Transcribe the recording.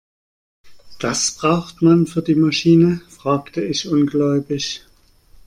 Das braucht man für die Maschine?, fragte ich ungläubig.